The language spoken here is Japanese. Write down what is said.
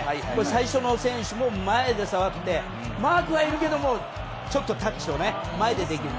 最初の選手も前で触ってマークはいるけれどちょっとタッチを前でできる。